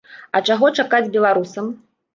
А чаго чакаць беларусам?